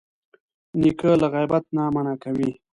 نیکه له غیبت نه منع کوي.